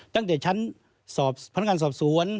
ตั้งแต่ชั้นสอบพนักงานสอบสวน